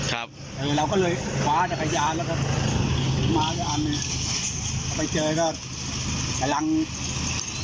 เราก็เลยขวาจากขยานแล้วก็มาอันนี้